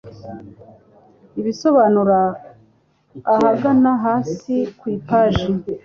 Ibisobanuro ahagana hasi ku ipaji